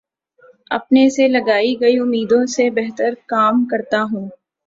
اپنے سے لگائی گئی امیدوں سے بہترکام کرتا ہوں